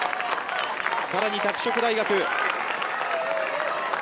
さらに拓殖大学。